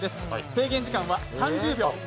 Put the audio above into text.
制限時間は３０秒。